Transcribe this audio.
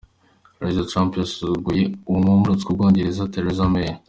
Prezida Trump yasuzuguye uwuramutswa Ubwongereza Theresa May.